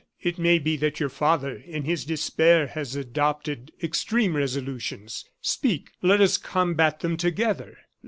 It may be that your father, in his despair, has adopted extreme resolutions. Speak, let us combat them together.